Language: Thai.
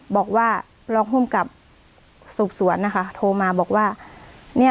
บอกว่าล้องหุ้มกับสูบสวนนะคะโทรมาบอกว่าเนี่ย